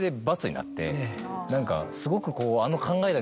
何かすごくこうあの。